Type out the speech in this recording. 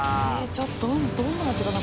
ちょっとどんな味かな？